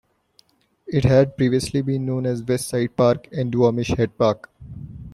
It had previously been known as West Side Park and Duwamish Head Park.